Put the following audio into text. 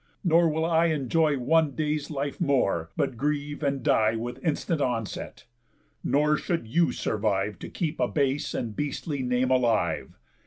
Nor will I Enjoy one day's life more, but grieve and die With instant onset. Nor should you survive To keep a base and beastly name alive.